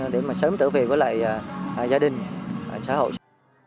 để mà sớm trở về với lại gia đình xã hội